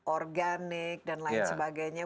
organik dan lain sebagainya